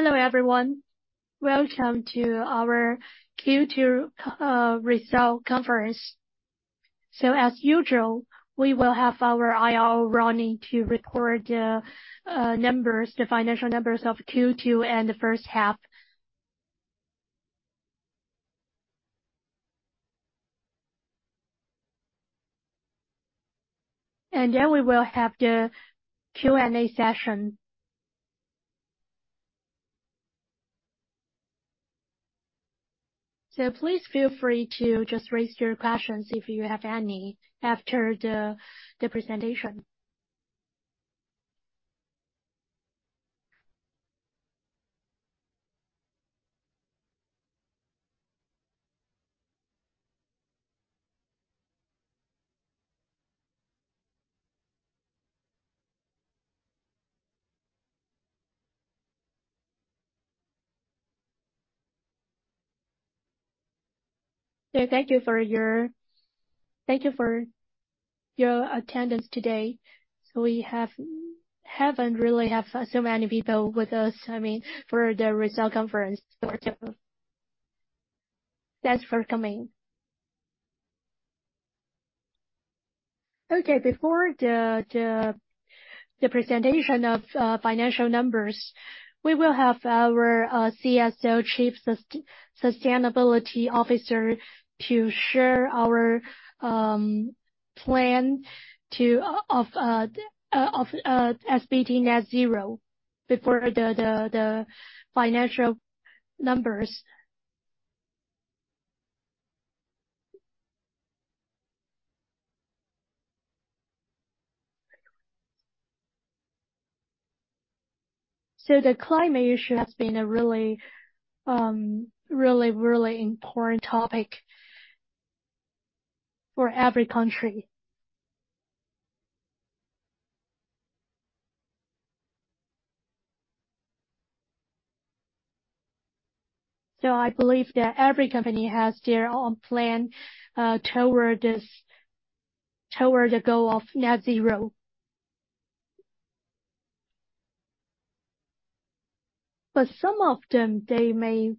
Hello, everyone. Welcome to our Q2 result conference. As usual, we will have our IR, Ronnie, to record the numbers, the financial numbers of Q2 and the first half. Then we will have the Q&A session. Please feel free to just raise your questions if you have any, after the presentation. Thank you for your attendance today. We haven't really have so many people with us, I mean, for the result conference. Thanks for coming. Before the presentation of financial numbers, we will have our CSO, Chief Sustainability Officer, to share our plan of SBT Net-Zero before the financial numbers. The climate issue has been a really, really important topic for every country. I believe that every company has their own plan toward this, toward the goal of Net Zero. But some of them, they may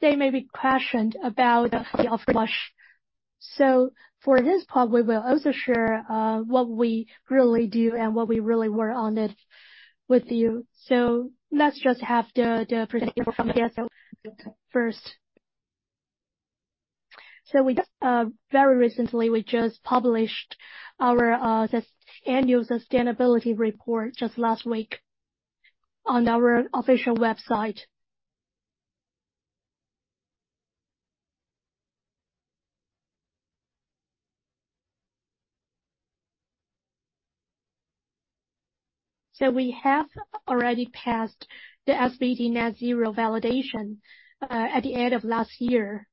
be questioned about the off flush. For this part, we will also share what we really do and what we really work on it with you. Let's just have the presentation from CSO first. We very recently, we just published our annual sustainability report just last week on our official website. We have already passed the SBT Net-Zero validation at the end of last year.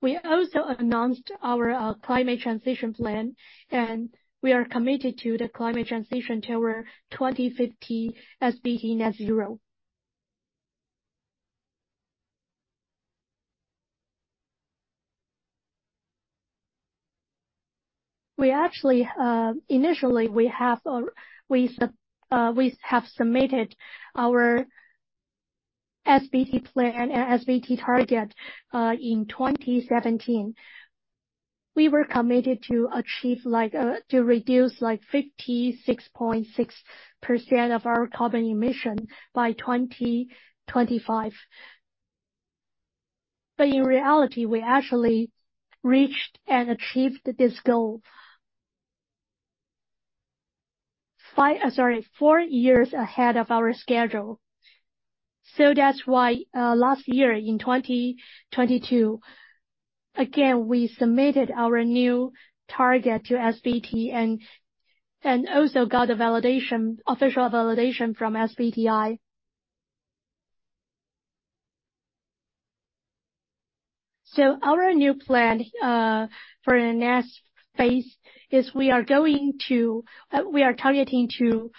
We also announced our climate transition plan, and we are committed to the climate transition toward 2050 SBT Net-Zero. We actually, initially, we have, we have submitted our SBT plan and SBT target in 2017. We were committed to achieve like, to reduce like 56.6% of our carbon emission by 2025. In reality, we actually reached and achieved this goal. Five, sorry, four years ahead of our schedule. That's why, last year, in 2022, again, we submitted our new target to SBTi and also got the validation, official validation from SBTi. Our new plan, for the next phase, is we are going to. We are targeting to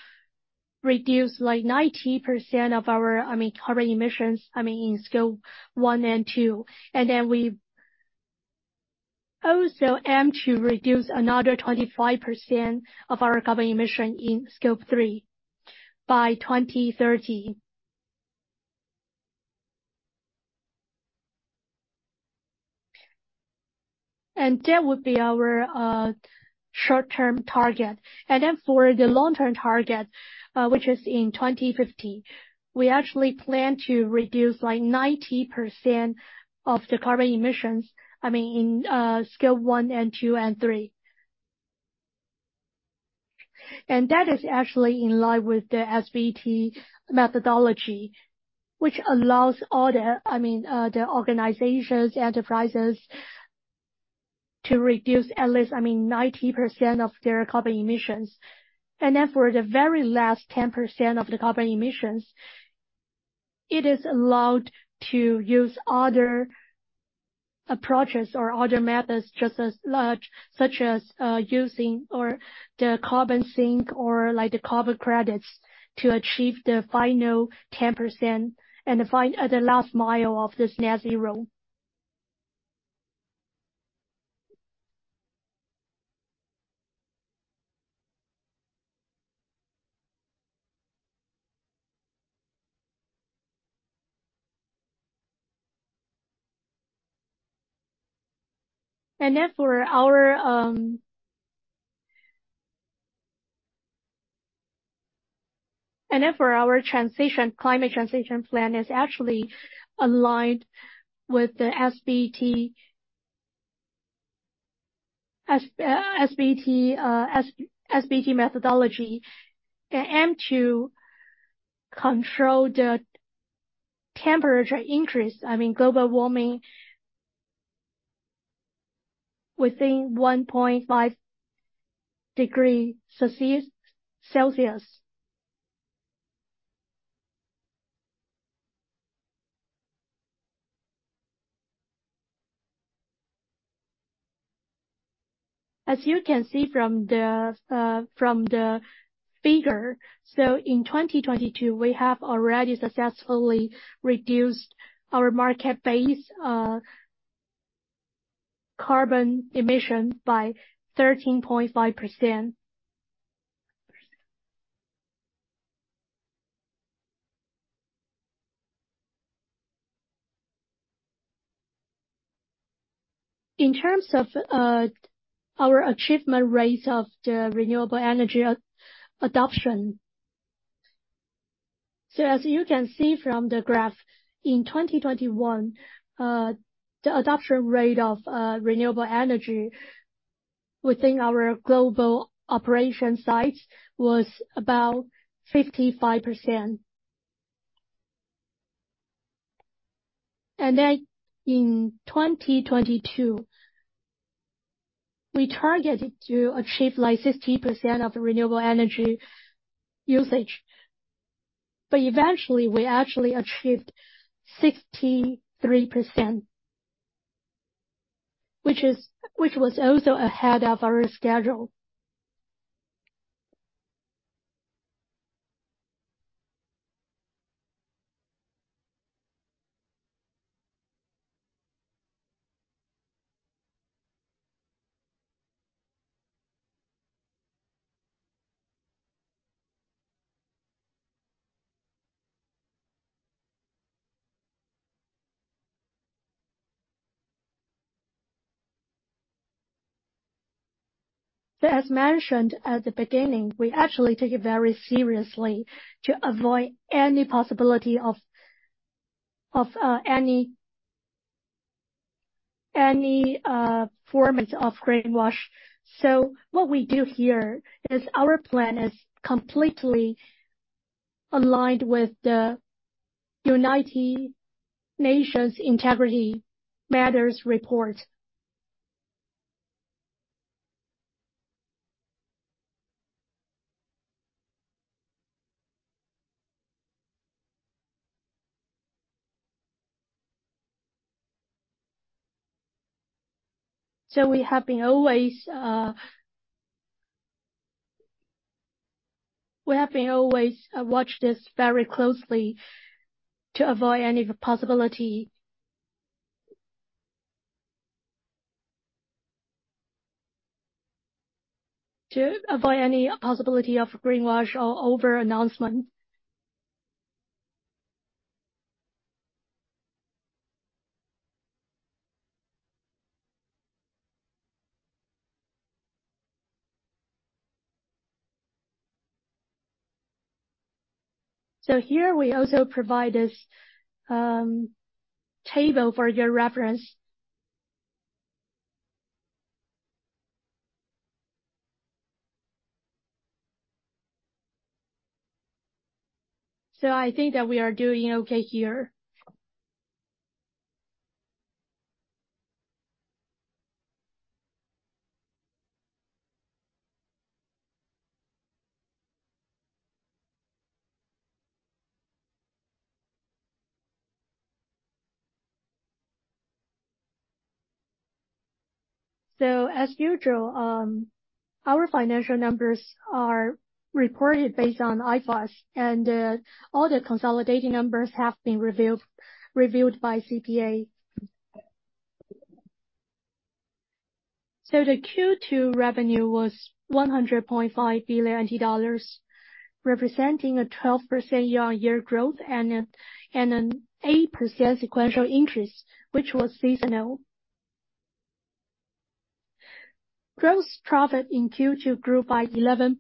reduce like 90% of our, I mean, carbon emissions, I mean, in Scope 1 and Scope 2. Then we also aim to reduce another 25% of our carbon emission in Scope 3 by 2030. That would be our short-term target. For the long-term target, which is in 2050, we actually plan to reduce like 90% of the carbon emissions, I mean, in Scope 1 and Scope 2 and Scope 3. That is actually in line with the SBT methodology, which allows all the, I mean, the organizations, enterprises, to reduce at least, I mean, 90% of their carbon emissions. For the very last 10% of the carbon emissions, it is allowed to use other approaches or other methods just as large, such as, using or the carbon sink or like the carbon credits to achieve the final 10% and the last mile of this net-zero. Therefore, our climate transition plan is actually aligned with the SBT methodology and aim to control the temperature increase, I mean, global warming within 1.5 degrees Celsius. As you can see from the from the figure, in 2022, we have already successfully reduced our market-based carbon emissions by 13.5%. In terms of our achievement rate of the renewable energy adoption. As you can see from the graph, in 2021, the adoption rate of renewable energy within our global operation sites was about 55%. In 2022, we targeted to achieve like 60% of the renewable energy usage, but eventually we actually achieved 63%, which was also ahead of our schedule. As mentioned at the beginning, we actually take it very seriously to avoid any possibility of any forms of greenwash. What we do here is our plan is completely aligned with the United Nations Integrity Matters Report. We have been always watch this very closely to avoid any possibility of greenwash or over-announcement. Here we also provide this table for your reference. I think that we are doing okay here. As usual, our financial numbers are reported based on IFRS, and all the consolidating numbers have been reviewed by CPA. The Q2 revenue was NT dollars 100.5 billion, representing a 12% year-on-year growth and an 8% sequential increase, which was seasonal. Gross Profit in Q2 grew by 11%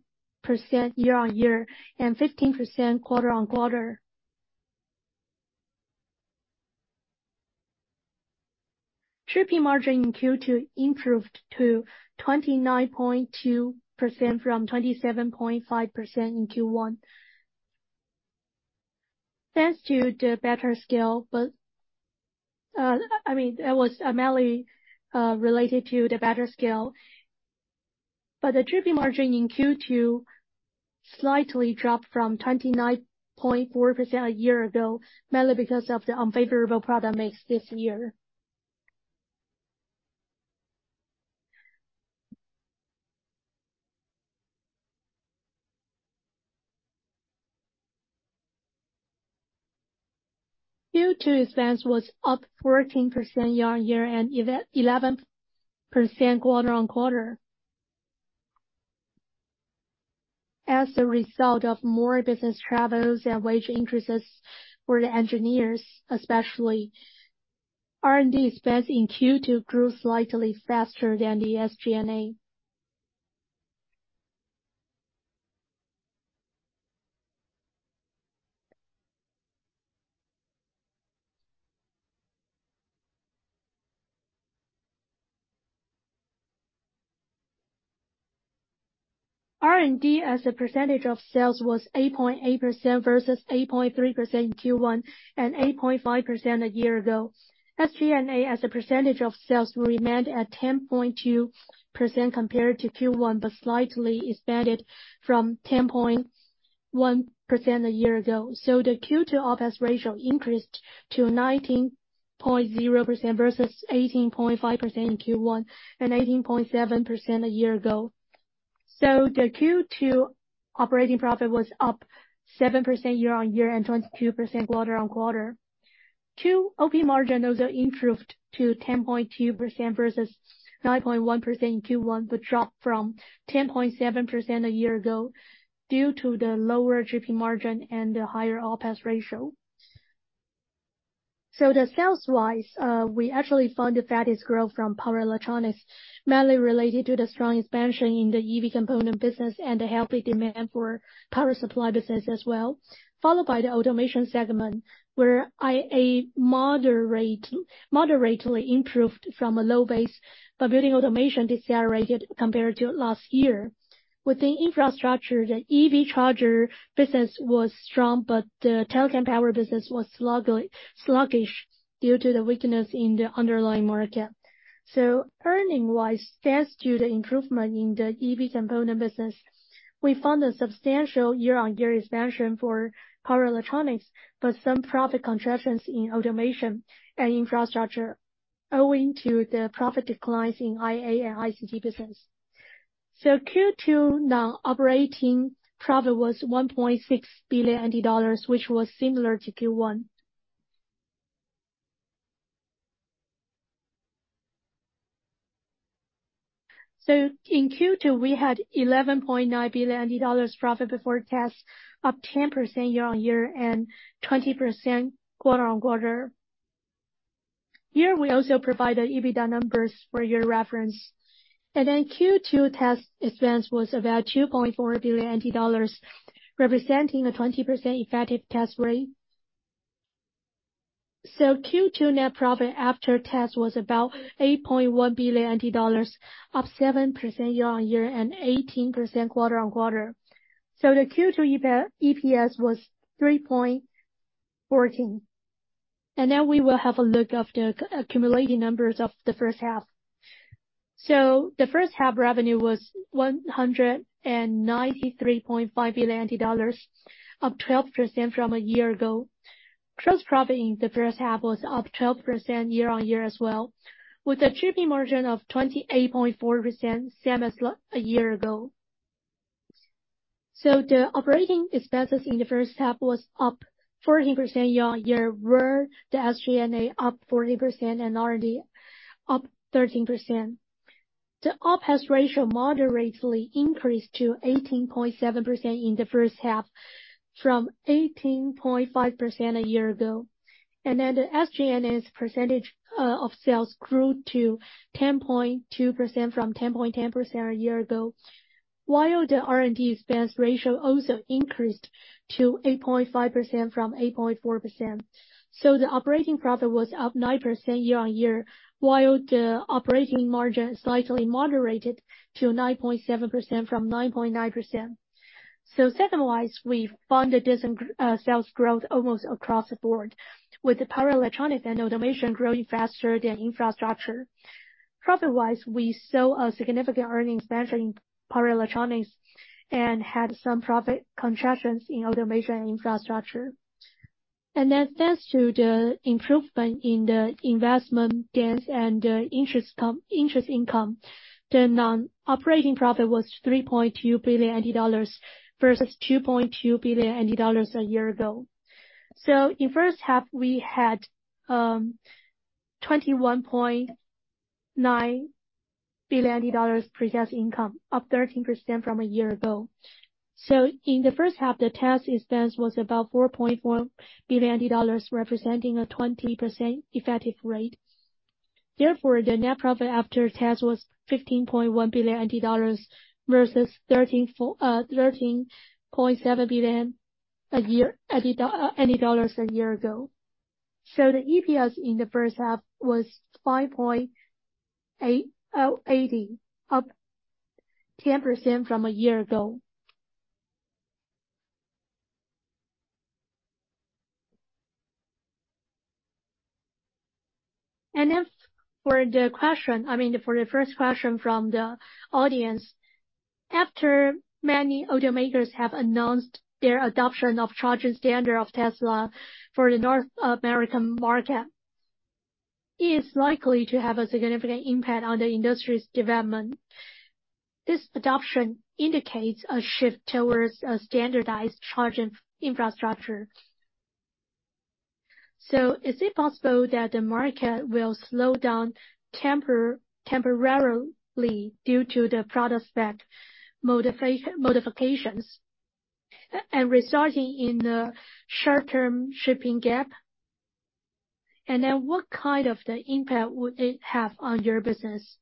year-on-year and 15% quarter-on-quarter. Shipping margin in Q2 improved to 29.2% from 27.5% in Q1. Thanks to the better scale, but I mean, that was mainly related to the better scale. The GP margin in Q2 slightly dropped from 29.4% a year ago, mainly because of the unfavorable product mix this year. Q2 expense was up 14% year-on-year and 11% quarter-on-quarter. As a result of more business travels and wage increases for the engineers, especially. R&D expense in Q2 grew slightly faster than the SG&A. R&D as a percentage of sales, was 8.8% versus 8.3% in Q1, and 8.5% a year ago. SG&A, as a percentage of sales, remained at 10.2% compared to Q1, but slightly expanded from 10.1% a year ago. The Q2 OpEx ratio increased to 19.0% versus 18.5% in Q1, and 18.7% a year ago. The Q2 operating profit was up 7% year-on-year, and 22% quarter-on-quarter. Q OP margin also improved to 10.2% versus 9.1% in Q1, but dropped from 10.7% a year ago, due to the lower GP margin and the higher OpEx ratio. The sales-wise, we actually found the fastest growth from power electronics, mainly related to the strong expansion in the EV component business and the healthy demand for power supply business as well. Followed by the automation segment, where IA moderate, moderately improved from a low base. Building automation decelerated compared to last year. Within infrastructure, the EV charger business was strong. The telecom power business was sluggish, sluggish due to the weakness in the underlying market. Earning-wise, thanks to the improvement in the EV component business, we found a substantial year-on-year expansion for power electronics. Some profit contractions in automation and infrastructure, owing to the profit declines in IA and ICT business. Q2 non-operating profit was NT dollars 1.6 billion, which was similar to Q1. In Q2, we had NT dollars 11.9 billion profit before tax, up 10% year-on-year, and 20% quarter-on-quarter. Here, we also provide the EBITDA numbers for your reference. Q2 tax expense was about NT$ 2.4 billion, representing a 20% effective tax rate. Q2 net profit after tax was about NT$ 8.1 billion, up 7% year-on-year, and 18% quarter-on-quarter. The Q2 EPS was 3.14. We will have a look at the accumulated numbers of the first half. The first half revenue was NT$ 193.5 billion, up 12% from a year ago. Gross profit in the first half was up 12% year-on-year as well, with a GP margin of 28.4%, same as a year ago. The operating expenses in the first half was up 14% year-on-year, where the SG&A up 14% and R&D up 13%. The OpEx ratio moderately increased to 18.7% in the first half from 18.5% a year ago. The SG&A's percentage of sales grew to 10.2% from 10.10% a year ago, while the R&D expense ratio also increased to 8.5% from 8.4%. The operating profit was up 9% year-on-year, while the operating margin slightly moderated to 9.7% from 9.9%. Segment-wise, we found a decent sales growth almost across the board, with the power electronics and automation growing faster than infrastructure. Profit-wise, we saw a significant earnings expansion in power electronics and had some profit contractions in automation and infrastructure. Thanks to the improvement in the investment gains and interest income, the non-operating profit was NT$3.2 billion versus NT$2.2 billion a year ago. In first half, we had NT$21.9 billion pre-tax income, up 13% from a year ago. In the first half, the tax expense was about NT$4.1 billion, representing a 20% effective rate. The net profit after tax was NT$15.1 billion versus 13.4, NT$13.7 billion a year ago. The EPS in the first half was 5.80, up 10% from a year ago. As for the question, I mean, for the first question from the audience, after many automakers have announced their adoption of charging standard of Tesla for the North American market, is likely to have a significant impact on the industry's development. This adoption indicates a shift towards a standardized charging infrastructure. Is it possible that the market will slow down temporarily due to the product spec modifications and resulting in the short-term shipping gap? What kind of the impact would it have on your business?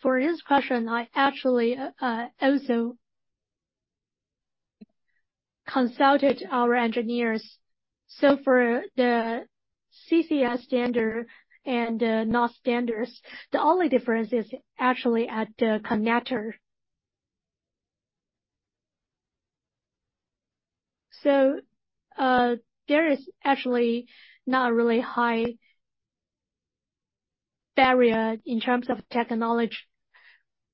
For this question, I actually also consulted our engineers. For the CCS standard and non-standards, the only difference is actually at the connector. There is actually not a really high barrier in terms of technology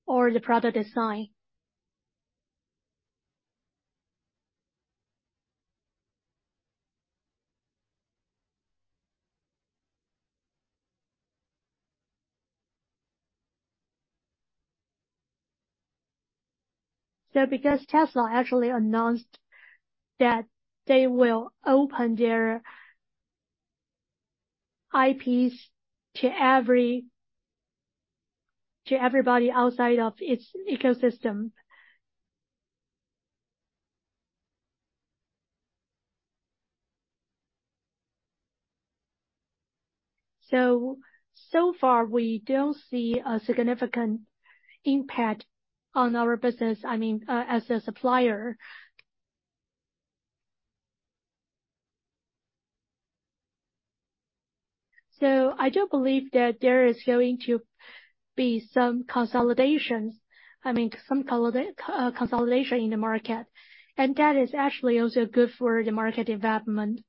or the product design. Because Tesla actually announced that they will open their IPs to everybody outside of its ecosystem. So far, we don't see a significant impact on our business, I mean, as a supplier. I do believe that there is going to be some consolidations, I mean, some consolidation in the market, and that is actually also good for the market development.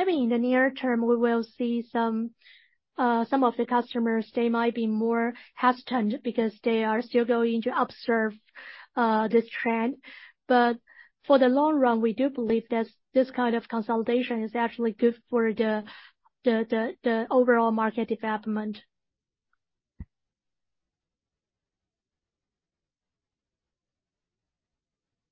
Maybe in the near term, we will see some, some of the customers, they might be more hesitant because they are still going to observe this trend. For the long run, we do believe that this kind of consolidation is actually good for the overall market development.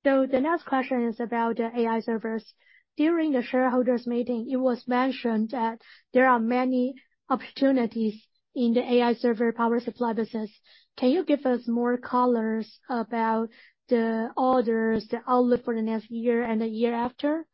The next question is about the AI servers. During the shareholders meeting, it was mentioned that there are many opportunities in the AI server power supply business. Can you give us more colors about the orders, the outlook for the next year and the year after?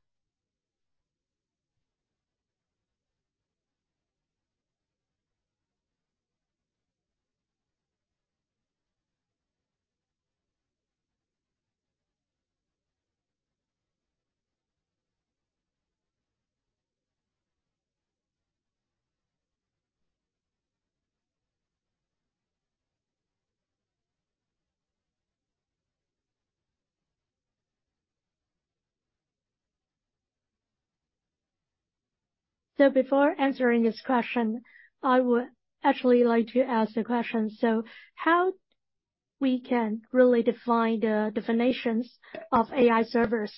Before answering this question, I would actually like to ask the question: How we can really define the definitions of AI servers?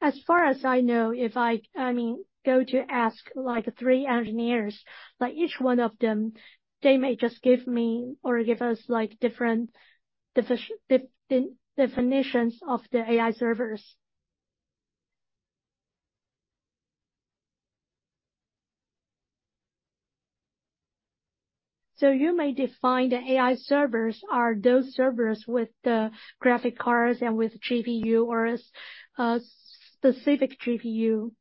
As far as I know, if I, I mean, go to ask, like, three engineers, like each one of them, they may just give me or give us, like, different definitions of the AI servers. You may define the AI servers are those servers with the graphic cards and with GPU or a specific GPU.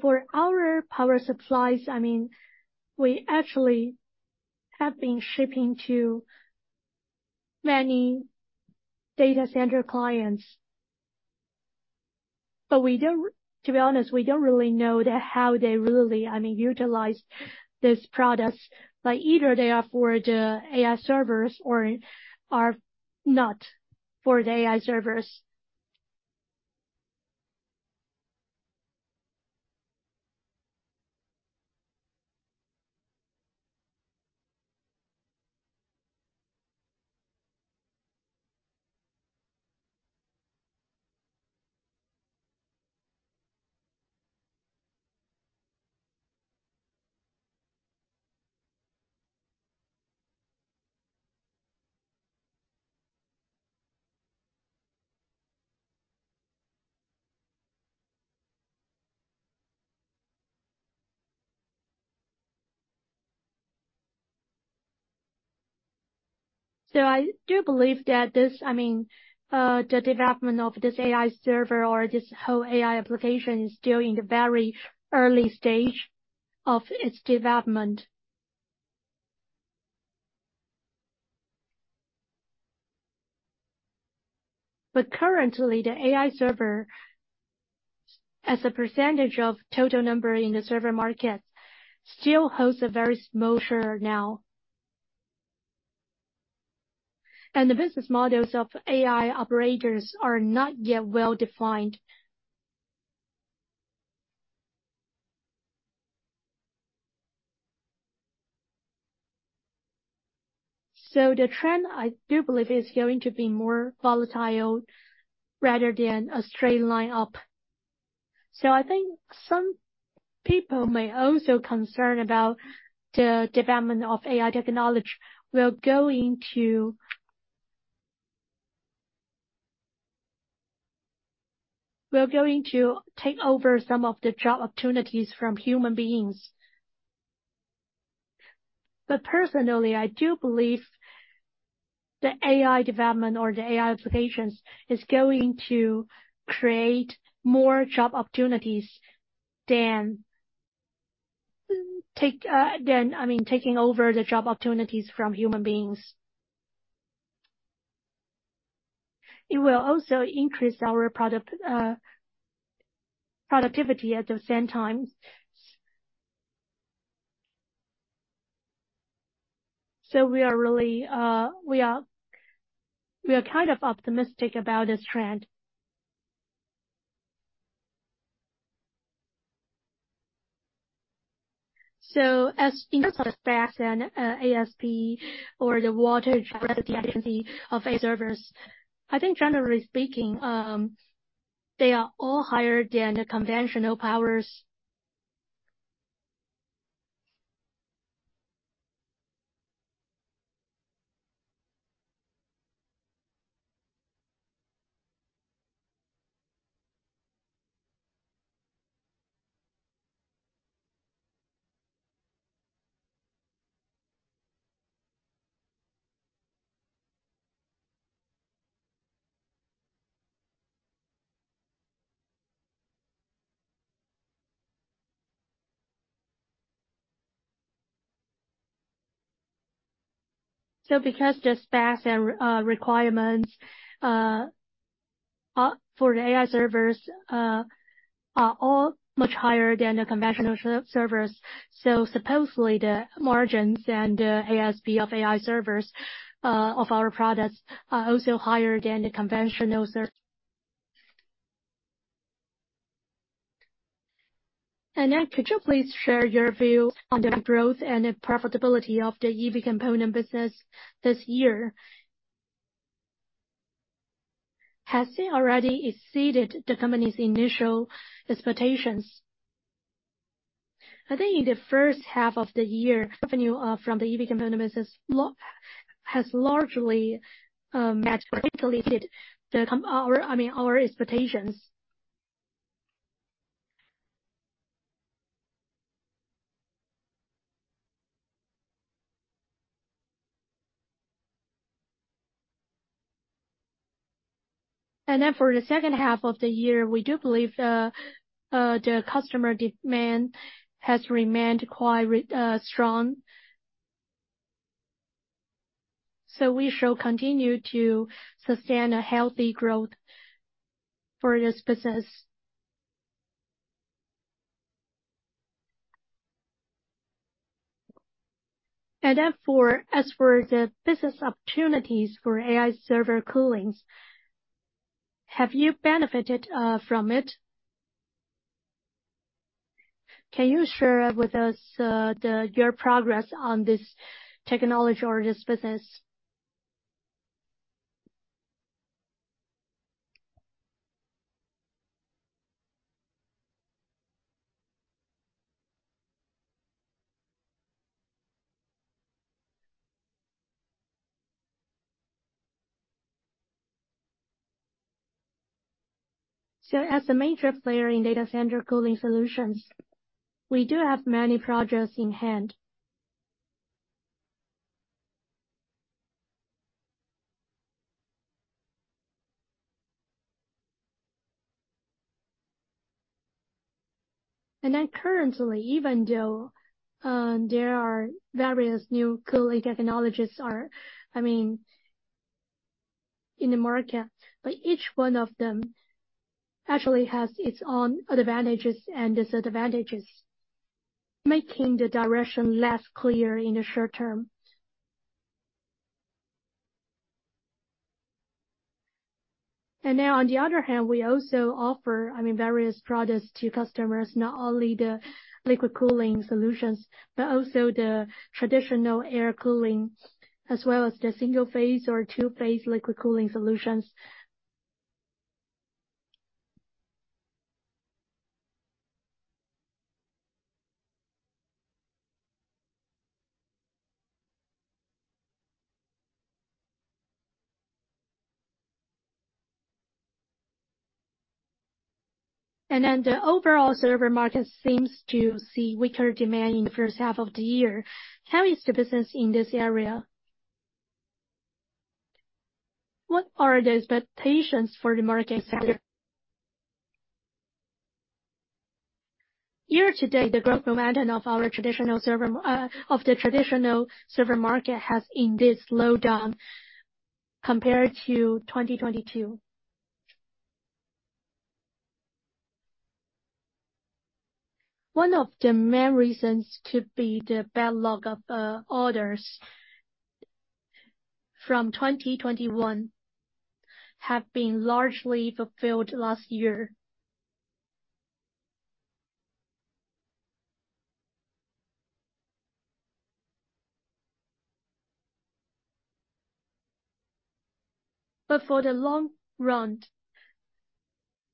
For our power supplies, I mean, we actually have been shipping to many data center clients, but To be honest, we don't really know the, how they really, I mean, utilize these products, like, either they are for the AI servers or are not for the AI servers. I do believe that this, I mean, the development of this AI server or this whole AI application is still in the very early stage of its development. Currently, the AI server, as a percentage of total number in the server market, still holds a very small share now. The business models of AI operators are not yet well-defined. The trend, I do believe, is going to be more volatile rather than a straight line up. I think some people may also concern about the development of AI technology will going to take over some of the job opportunities from human beings. Personally, I do believe the AI development or the AI applications is going to create more job opportunities than take, I mean, taking over the job opportunities from human beings. It will also increase our product productivity at the same time. We are really, we are, we are kind of optimistic about this trend. As in specs and ASP or the wattage density of AI servers, I think generally speaking, they are all higher than the conventional powers. Because the specs and requirements are for the AI servers are all much higher than the conventional servers, so supposedly the margins and ASP of AI servers of our products are also higher than the conventional server. Could you please share your view on the growth and the profitability of the EV component business this year? Has it already exceeded the company's initial expectations? I think in the first half of the year, revenue from the EV component business has largely matched, exceeded our, I mean, our expectations. For the second half of the year, we do believe the customer demand has remained quite strong. We shall continue to sustain a healthy growth for this business. As for the business opportunities for AI server cooling, have you benefited from it? Can you share with us your progress on this technology or this business? As a major player in data center cooling solutions, we do have many projects in hand. Currently, even though, there are various new cooling technologies, I mean, in the market, each one of them actually has its own advantages and disadvantages, making the direction less clear in the short term. On the other hand, we also offer, I mean, various products to customers, not only the liquid cooling solutions, but also the traditional air cooling, as well as the single-phase or two-phase liquid cooling solutions. The overall server market seems to see weaker demand in the first half of the year. How is the business in this area? What are the expectations for the market sector? Year-to-date, the growth momentum of our traditional server, of the traditional server market has indeed slowed down compared to 2022. One of the main reasons could be the backlog of orders from 2021 have been largely fulfilled last year. For the long run,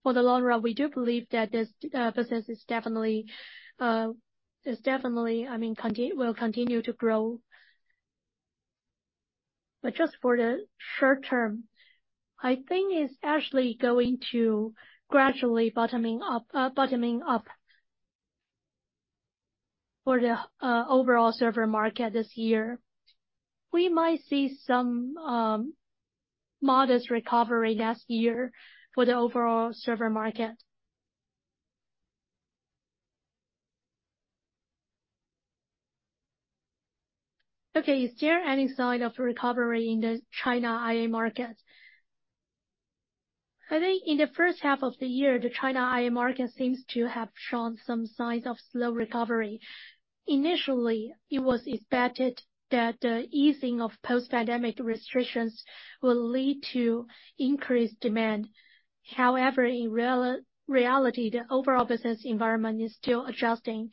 for the long run, we do believe that this business is definitely, is definitely, I mean, will continue to grow. Just for the short term, I think it's actually going to gradually bottoming up, bottoming up for the overall server market this year. We might see some modest recovery next year for the overall server market. Okay, is there any sign of recovery in the China IA market? I think in the first half of the year, the China IA market seems to have shown some signs of slow recovery. Initially, it was expected that the easing of post-pandemic restrictions will lead to increased demand. In reality, the overall business environment is still adjusting.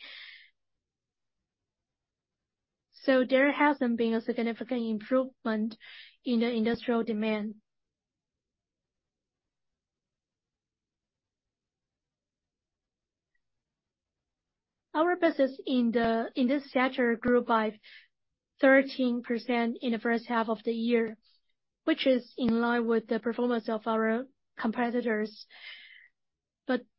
There hasn't been a significant improvement in the industrial demand. Our business in this sector grew by 13% in the first half of the year, which is in line with the performance of our competitors.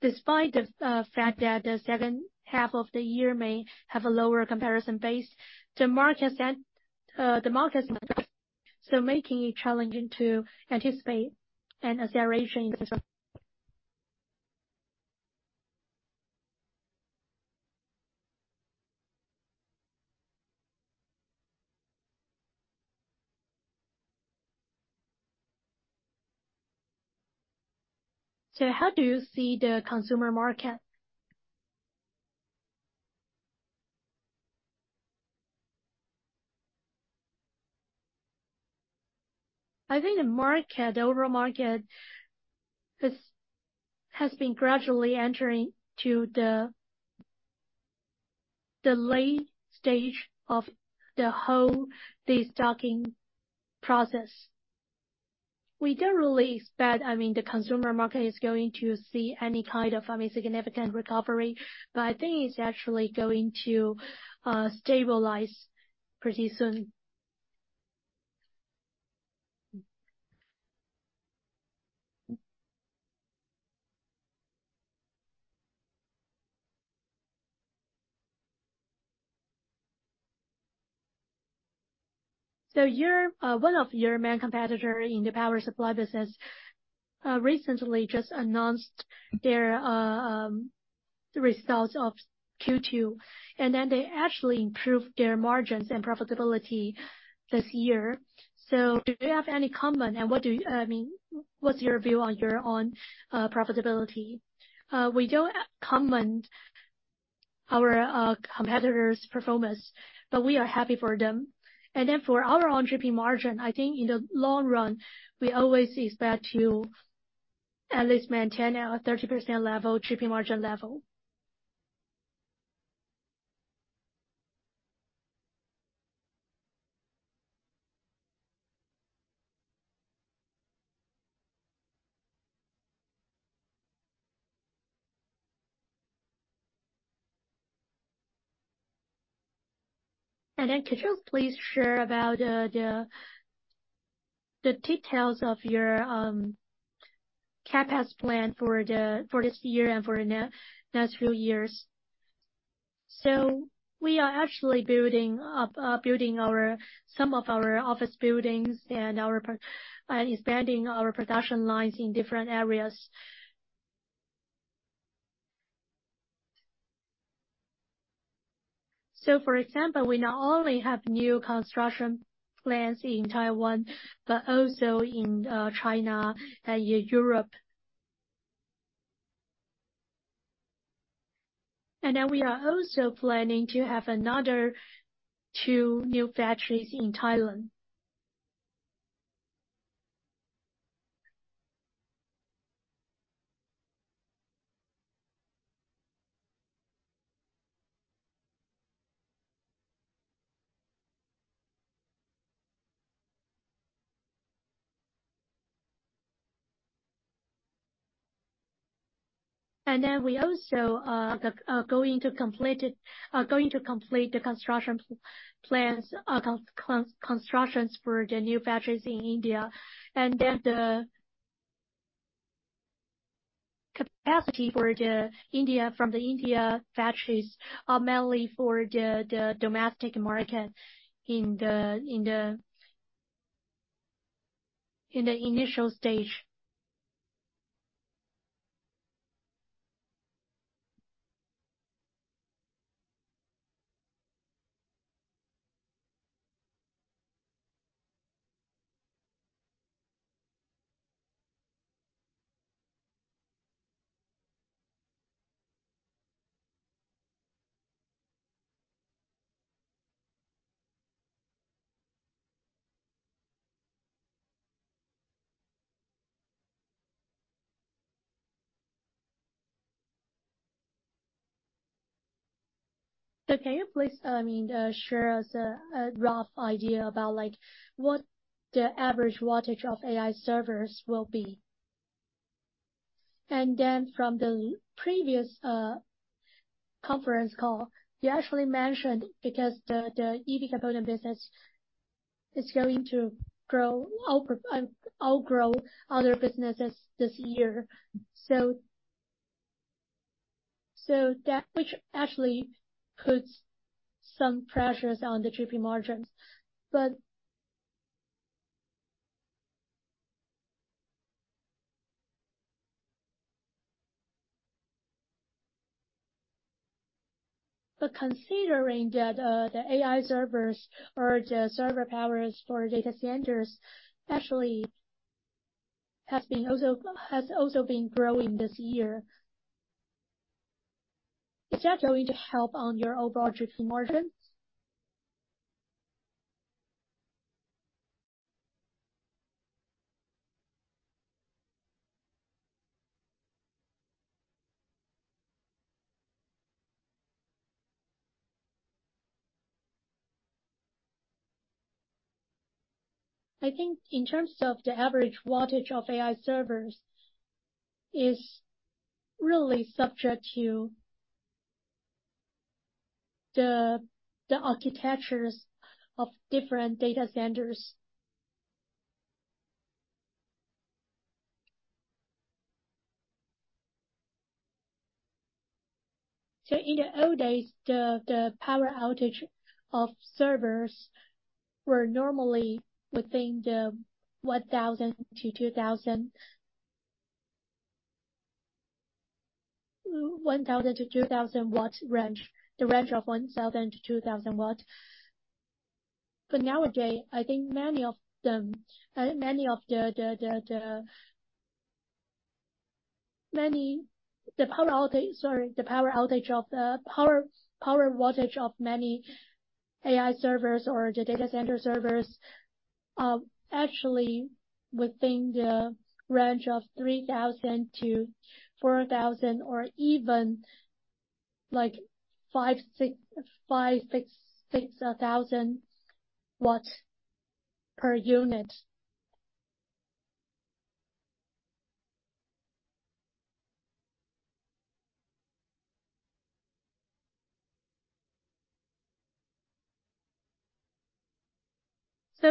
Despite the fact that the second half of the year may have a lower comparison base, making it challenging to anticipate an acceleration in this one. How do you see the consumer market? I think the market, the overall market, has been gradually entering to the late stage of the whole de-stocking process. We don't really expect, I mean, the consumer market is going to see any kind of, I mean, significant recovery, but I think it's actually going to stabilize pretty soon. Your one of your main competitor in the Power Supply business recently just announced their results of Q2, and they actually improved their margins and profitability this year. Do you have any comment? What do you, I mean, what's your view on your own profitability? We don't comment our competitors' performance, but we are happy for them. For our own GP margin, I think in the long run, we always expect to at least maintain our 30% level, GP margin level. Could you please share about the details of your CapEx plan for this year and for the next few years? We are actually building up building our, some of our office buildings and expanding our production lines in different areas. For example, we not only have new construction plans in Taiwan, but also in China and Europe. We are also planning to have another two new factories in Thailand. We also the going to complete it going to complete the construction plans constructions for the new factories in India. The capacity for the India, from the India factories are mainly for the domestic market in the initial stage. Can you please, I mean, share us a rough idea about like what the average wattage of AI servers will be? From the previous conference call, you actually mentioned because the EV component business is going to outgrow other businesses this year. That actually puts some pressures on the GP margins. Considering that the AI servers or the server powers for data centers actually has also been growing this year, is that going to help on your overall GP margins? I think in terms of the average wattage of AI servers, is really subject to the architectures of different data centers. In the old days, the power outage of servers were normally within the 1,000-2,000, 1,000-2,000 watts range, the range of 1,000-2,000 watts. Nowadays, I think many of them, many of the, sorry, the power outage of the power, power wattage of many AI servers or the data center servers, actually within the range of 3,000-4,000 or even like 6,000 watts per unit.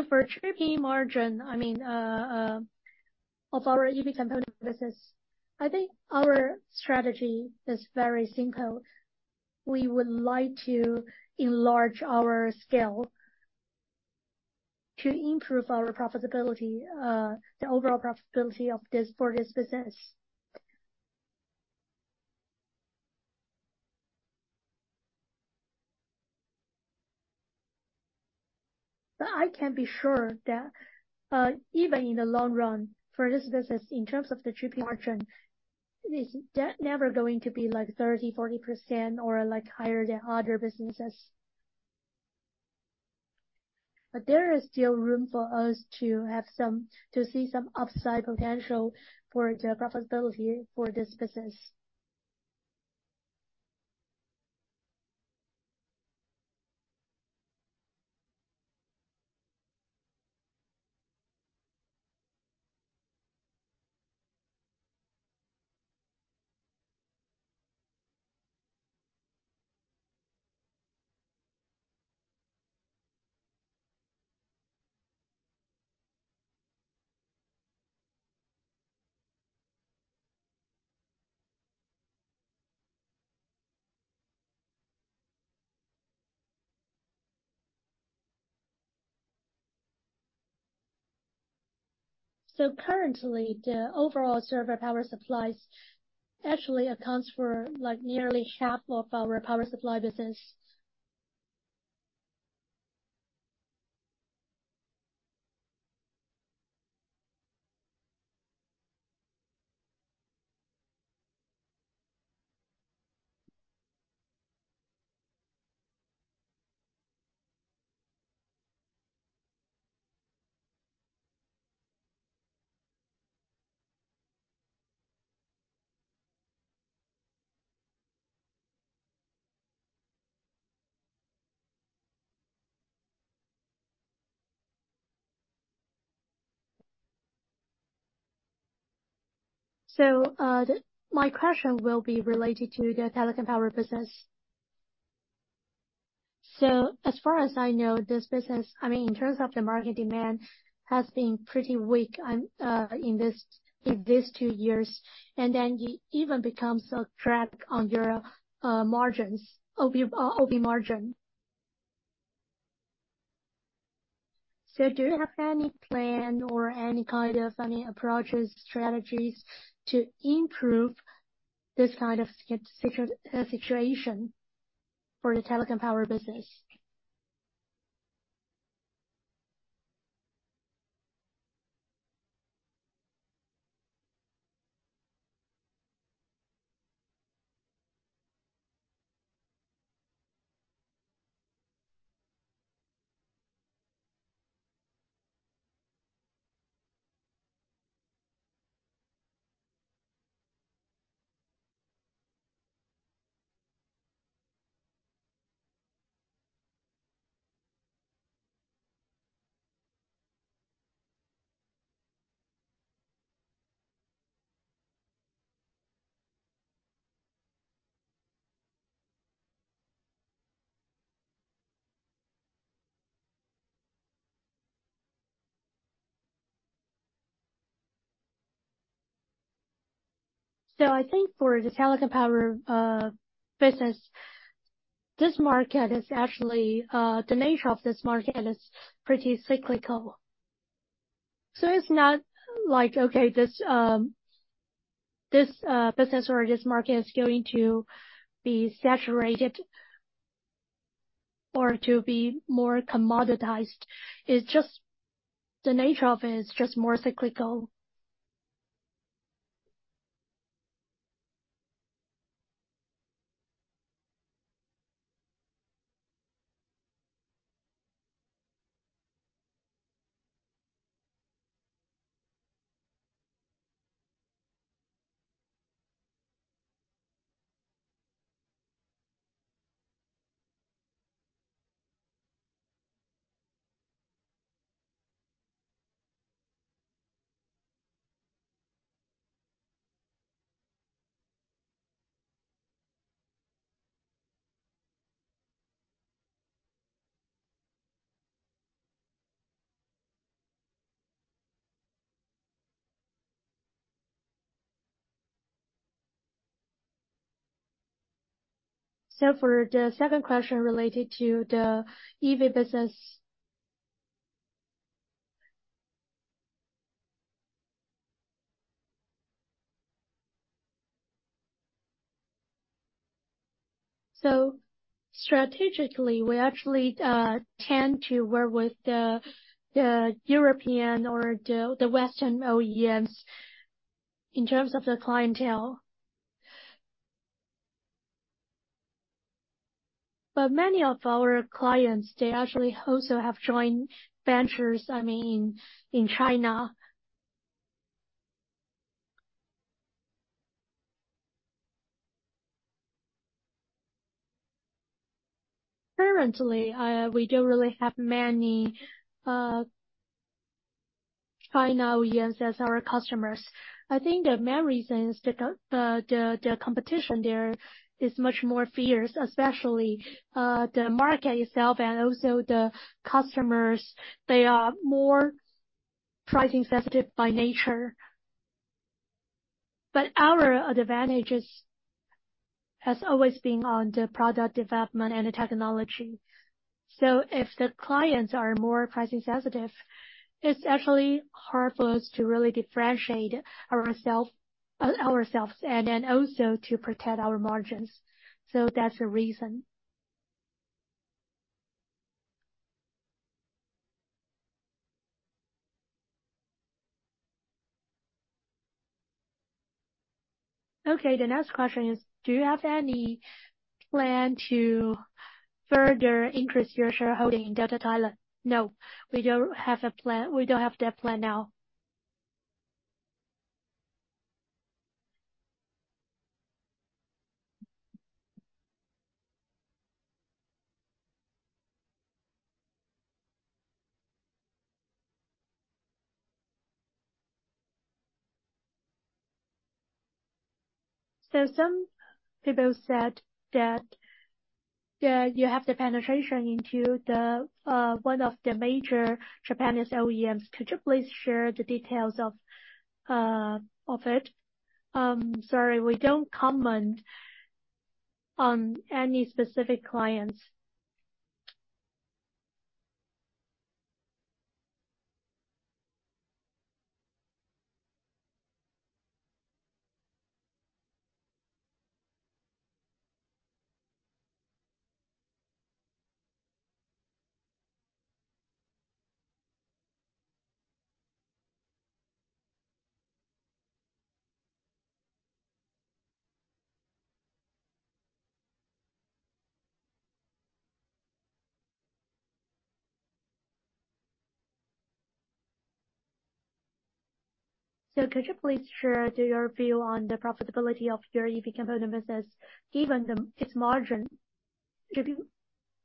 For GP margin, I mean, of our EV component business, I think our strategy is very simple. We would like to enlarge our scale to improve our profitability, the overall profitability of this, for this business. I can be sure that, even in the long run, for this business, in terms of the GP margin, it is never going to be like 30%, 40% or like higher than other businesses. There is still room for us to have some, to see some upside potential for the profitability for this business. Currently, the overall server power supplies actually accounts for like nearly half of our power supply business. My question will be related to the telecom power business. As far as I know, this business, I mean, in terms of the market demand, has been pretty weak in these two years, and then it even becomes a drag on your margins, OP margin. Do you have any plan or any kind of any approaches, strategies to improve this kind of situation for the telecom power business? I think for the telecom power business, this market is actually the nature of this market is pretty cyclical. It's not like, okay, this business or this market is going to be saturated or to be more commoditized. It's just the nature of it, it's just more cyclical. For the second question related to the EV business. Strategically, we actually tend to work with the European or the Western OEMs in terms of the clientele. Many of our clients, they actually also have joint ventures, I mean, in China. Currently, we don't really have many China OEMs as our customer. I think the main reason is the competition there is much more fierce, especially the market itself and also the customers, they are more price sensitive by nature. Our advantage is, has always been on the product development and the technology. If the clients are more price sensitive, it's actually hard for us to really differentiate ourself, ourselves and then also to protect our margins. That's the reason. Okay, the next question is: Do you have any plan to further increase your shareholding in Delta Thailand? No, we don't have a plan. We don't have that plan now. Some people said that you have the penetration into the one of the major Japanese OEMs. Could you please share the details of of it? Sorry, we don't comment on any specific clients. Could you please share your view on the profitability of your EV component business, given its margin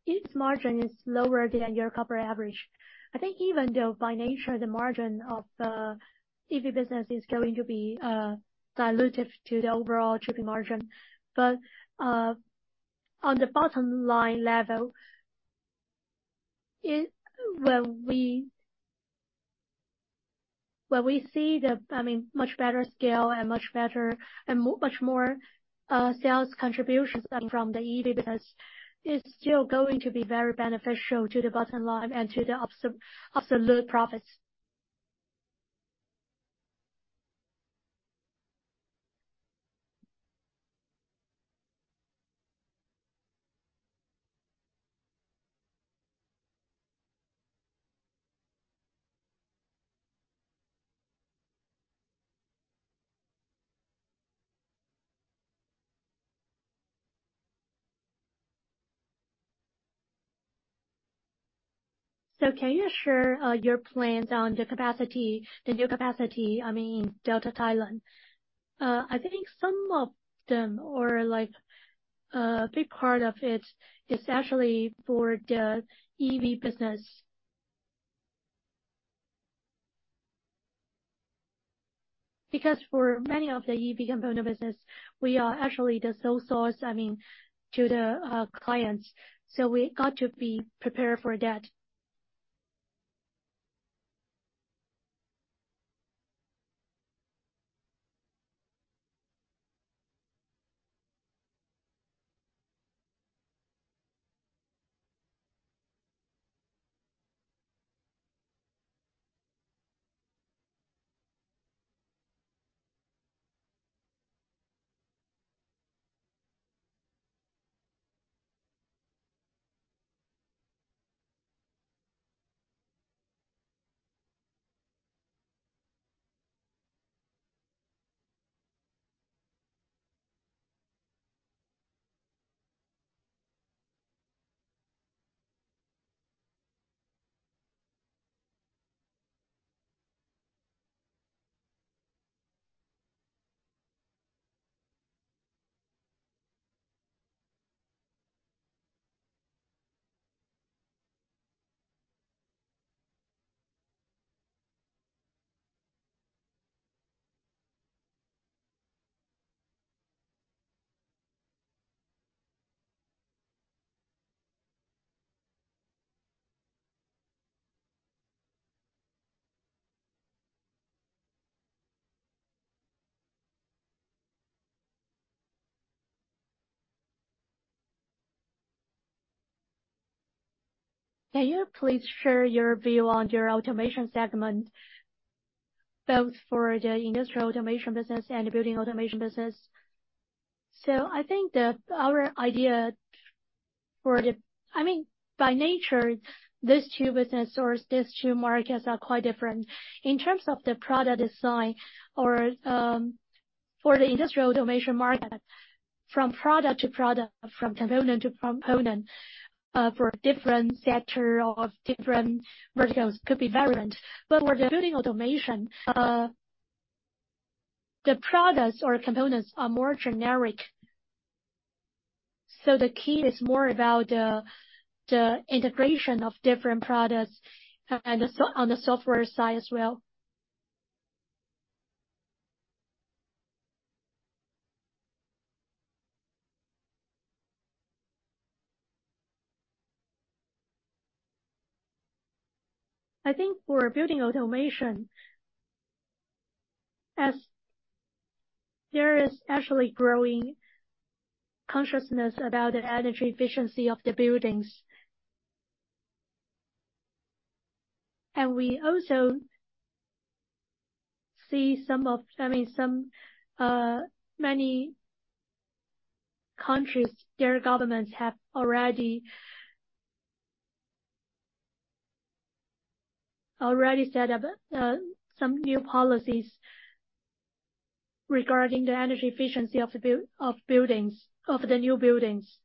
is lower than your corporate average? I think even though by nature, the margin of the EV business is going to be dilutive to the overall GP margin. On the bottom line level, it, when we see the, I mean, much better scale and much better and much more sales contributions coming from the EV business, it's still going to be very beneficial to the bottom line and to the absolute, absolute profits. Can you share your plans on the capacity, the new capacity, I mean, Delta Thailand? I think some of them, or like, a big part of it, is actually for the EV business. Because for many of the EV component business, we are actually the sole source, I mean, to the clients, so we got to be prepared for that. Can you please share your view on your automation segment, both for the industrial automation business and building automation business? I think that our idea for the, I mean, by nature, these two business or these two markets are quite different. In terms of the product design or, for the industrial automation market, from product to product, from component to component, for different sector of different verticals could be variant. For the building automation, the products or components are more generic. The key is more about the integration of different products, and the on the software side as well. I think for building automation, as there is actually growing consciousness about the energy efficiency of the buildings. We also see some of, I mean, some many countries, their governments have already, already set up some new policies regarding the energy efficiency of the buildings, of the new buildings.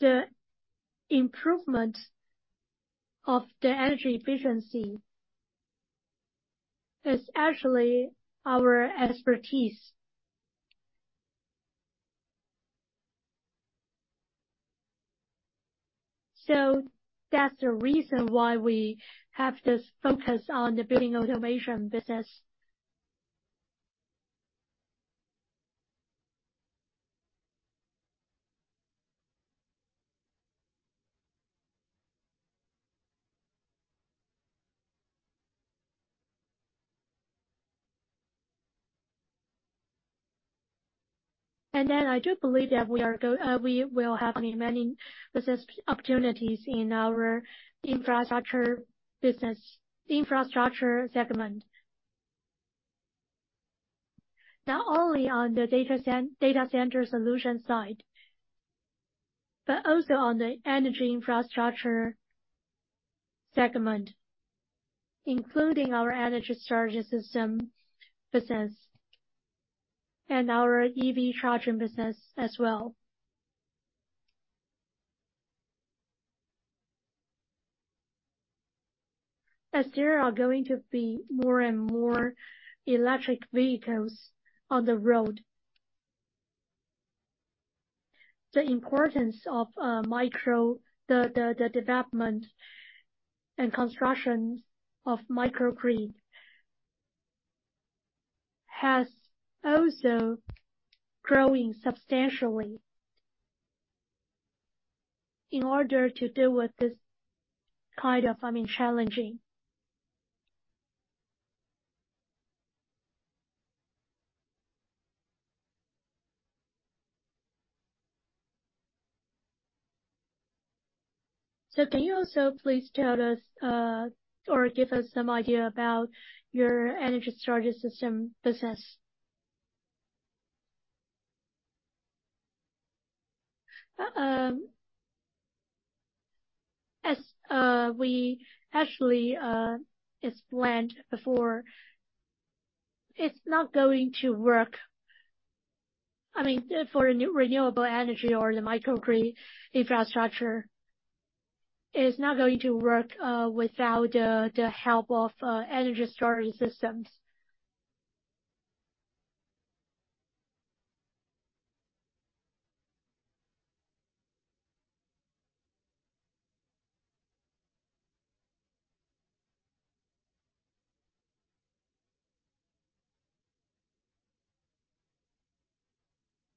The improvement of the energy efficiency is actually our expertise. That's the reason why we have this focus on the building automation business. I do believe that we will have many, many business opportunities in our infrastructure business, infrastructure segment. Not only on the data center solution side, but also on the energy infrastructure segment, including our Energy Storage System business. Our EV Charging business as well. As there are going to be more and more electric vehicles on the road, the importance of the development and constructions of microgrid has also growing substantially in order to deal with this kind of, I mean, challenging. Can you also please tell us, or give us some idea about your energy storage system business? As we actually explained before, it's not going to work. I mean, for a new renewable energy or the microgrid infrastructure, it's not going to work without the help of energy storage systems.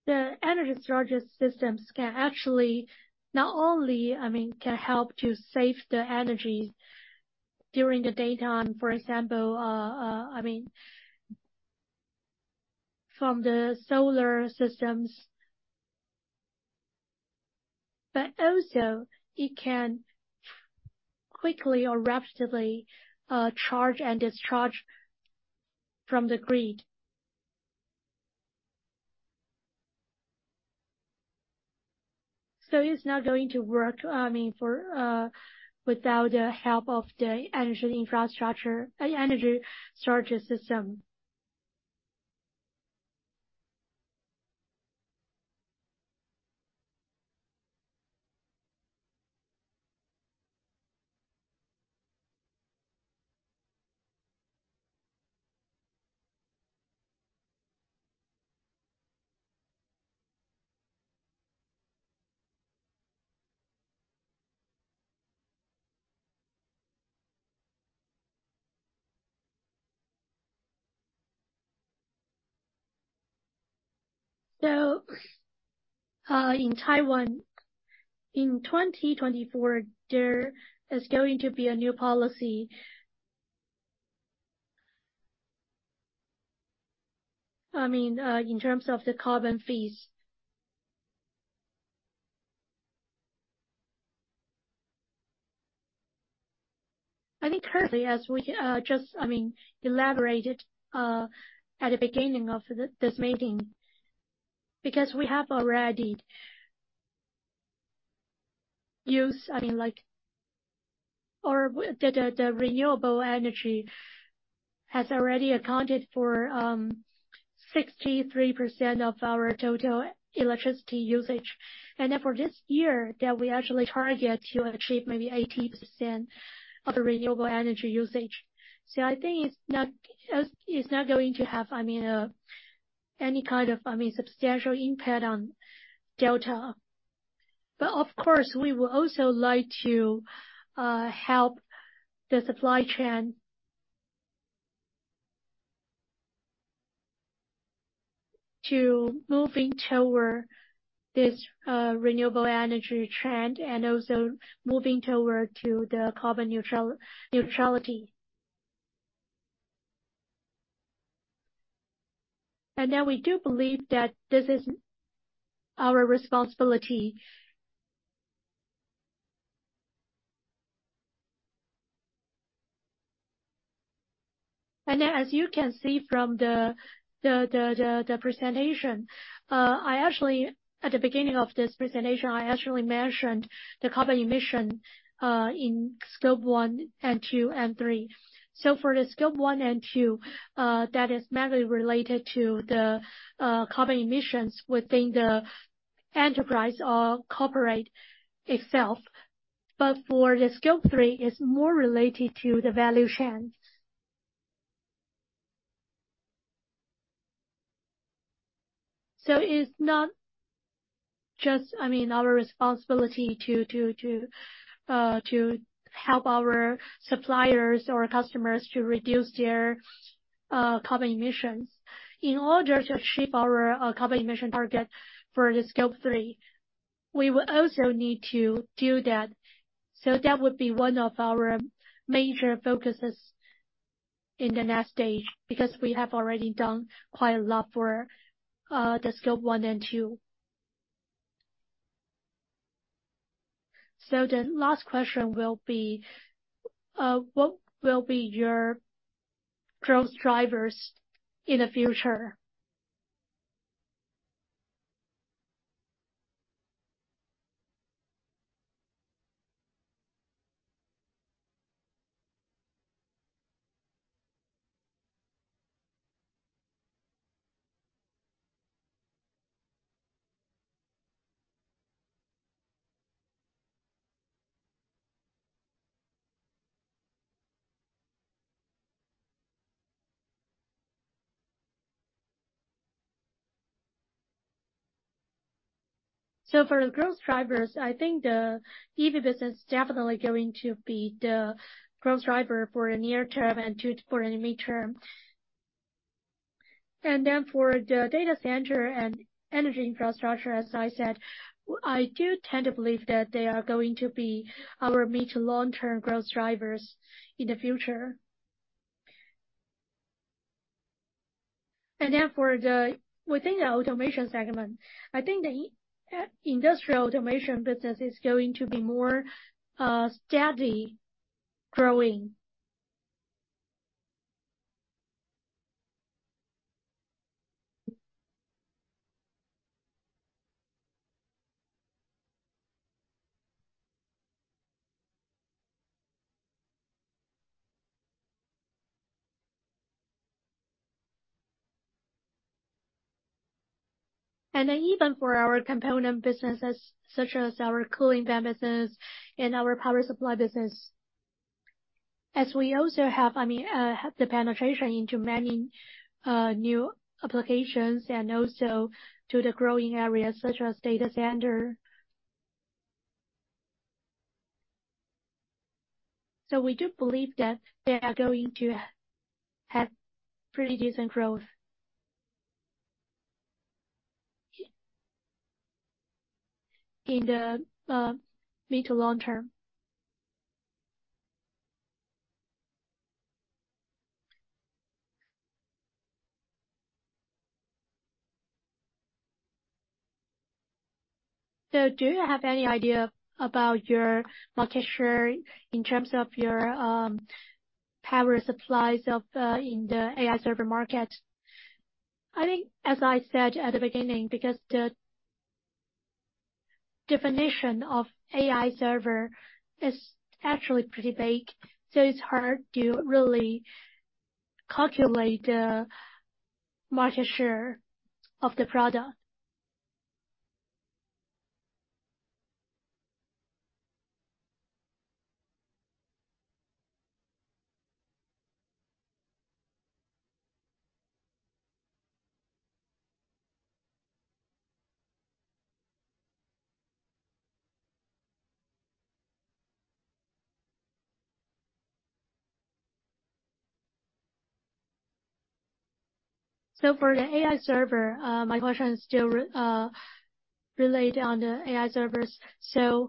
The energy storage systems can actually not only, I mean, can help to save the energy during the daytime, for example, I mean, from the solar systems, but also it can quickly or rapidly charge and discharge from the grid. It's not going to work, I mean, for, without the help of the energy infrastructure, Energy Storage System. In Taiwan, in 2024, there is going to be a new policy. I mean, in terms of the carbon fees. I think currently, as we just, I mean, elaborated, at the beginning of this meeting, because we have already use, I mean, like or the, the, the renewable energy has already accounted for 63% of our total electricity usage. For this year, that we actually target to achieve maybe 80% of the renewable energy usage. I think it's not, it's not going to have, I mean, any kind of, I mean, substantial impact on Delta. Of course, we would also like to help the supply chain to moving toward this renewable energy trend and also moving toward to the carbon neutrality. Now we do believe that this is our responsibility. As you can see from the, the, the, the, the presentation, I actually, at the beginning of this presentation, I actually mentioned the carbon emissions in Scope 1 and Scope 2 and Scope 3. For the Scope 1 and Scope 2, that is mainly related to the carbon emissions within the enterprise or corporate itself. For the Scope 3, it's more related to the value chains. It's not just, I mean, our responsibility to, to, to, to help our suppliers or customers to reduce their carbon emissions. In order to achieve our carbon emission target for the Scope 3, we will also need to do that. That would be one of our major focuses in the next stage, because we have already done quite a lot for the Scope 1 and Scope 2. The last question will be: What will be your growth drivers in the future? For the growth drivers, I think the EV business is definitely going to be the growth driver for the near term and to, for the midterm. For the data center and energy infrastructure, as I said, I do tend to believe that they are going to be our mid to long-term growth drivers in the future. For the, within the automation segment, I think the industrial automation business is going to be more steady growing. Even for our component businesses, such as our Cooling Fan business and our Power Supply business, as we also have, I mean, the penetration into many new applications and also to the growing areas such as data center. We do believe that they are going to have pretty decent growth in the mid to long term. Do you have any idea about your market share in terms of your power supplies of in the AI server market? I think, as I said at the beginning, because the definition of AI server is actually pretty vague, so it's hard to really calculate the market share of the product. For the AI server, my question is still re, related on the AI servers. Do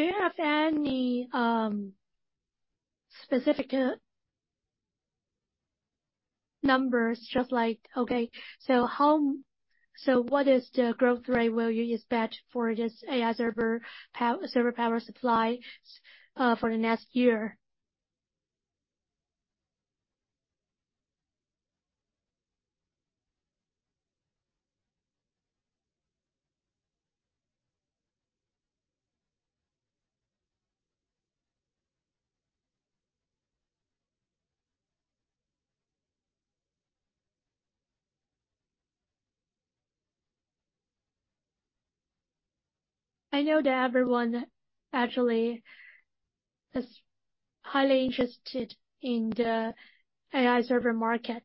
you have any specific numbers, just like. Okay, so how, so what is the growth rate will you expect for this AI server, server Power Supply, for the next year? I know that everyone actually is highly interested in the AI server market.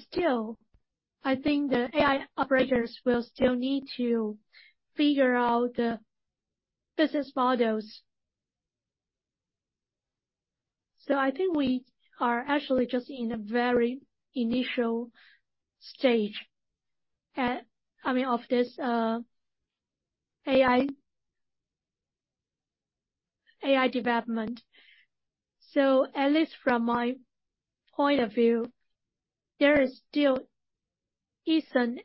Still, I think the AI operators will still need to figure out the business models. I think we are actually just in a very initial stage, I mean, of this AI, AI development. At least from my point of view, there is still isn't,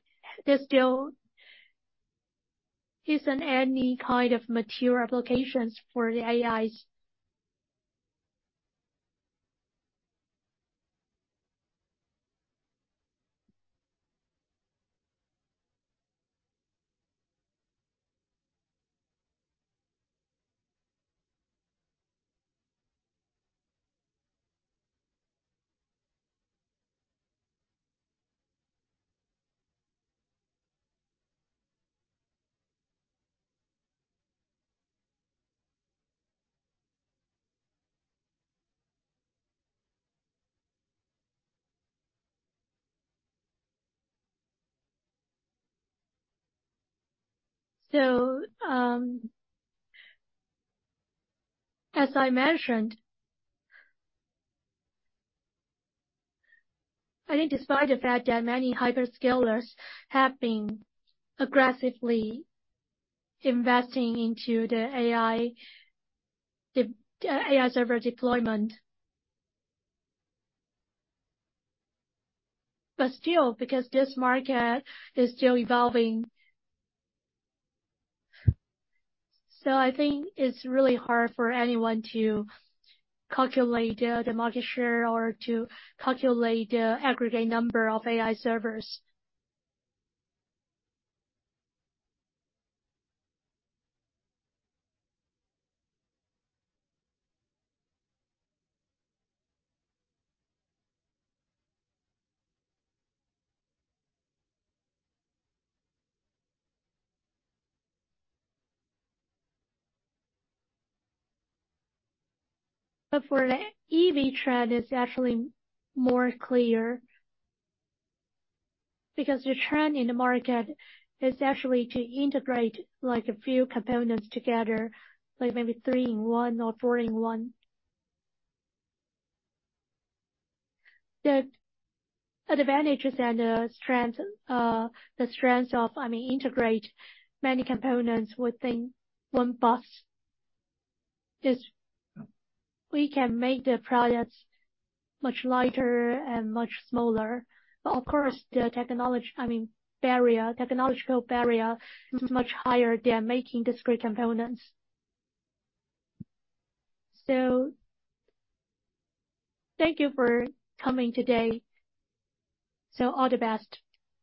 there still isn't any kind of mature applications for the AIs. As I mentioned, I think despite the fact that many hyperscalers have been aggressively investing into the AI server deployment, but still, because this market is still evolving. I think it's really hard for anyone to calculate the market share or to calculate the aggregate number of AI servers. For the EV trend, it's actually more clear. Because the trend in the market is actually to integrate like a few components together, like maybe three-in-one or four-in-one. The advantages and strength, the strengths of, I mean, integrate many components within one bus, is we can make the products much lighter and much smaller. Of course, the technology, I mean, barrier, technological barrier is much higher than making discrete components. Thank you for coming today. All the best.